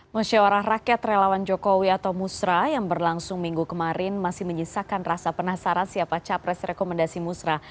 musyawarah rakyat relawan jokowi atau musra yang berlangsung minggu kemarin masih menyisakan rasa penasaran siapa capres rekomendasi musrah